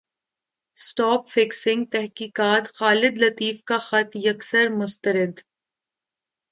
spot fixing تحقیقات خالد لطیف کا خط یکسر مسترد